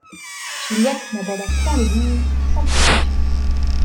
Gilliatt n’aborda point les Douvres sans précaution.